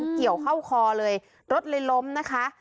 เกี่ยวเข้าคอเลยรถเลยล้มนะคะ